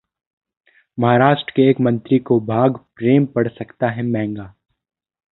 महाराष्ट्र के एक मंत्री को बाघ प्रेम पड़ सकता है महंगा